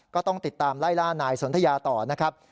ก็ต้องติดตามไล่ล่านายสนทยาต่อนะครับ